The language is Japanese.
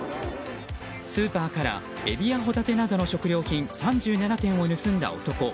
スーパーからエビやホタテなどの食料品３７点を盗んだ男。